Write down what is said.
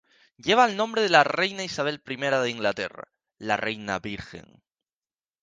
Lleva el nombre de la Reina Isabel I de Inglaterra, la Reina Virgen.